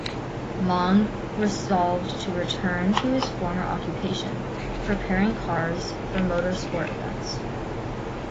Monge resolved to return to his former occupation, preparing cars for motor sport events.